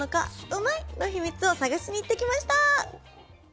うまいッ！のヒミツを探しに行ってきました。